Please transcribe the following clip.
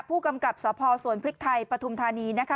ผู้กำกับสพสวนพริกไทยปฐุมธานีนะคะ